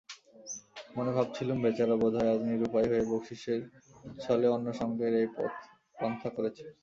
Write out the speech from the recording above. মনে ভাবছিলুম বেচারা বোধ হয় আজ নিরুপায় হয়ে বকশিশের ছলে অন্নসংগ্রহের এই পন্থা করেছে।